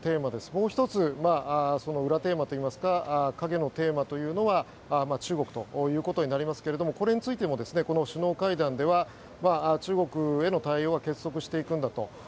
もう１つ、裏テーマといいますか影のテーマというのは中国ということになりますがこれについても首脳会談では、中国への対応は結束していくんだと。